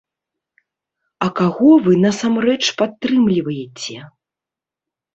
А каго вы насамрэч падтрымліваеце?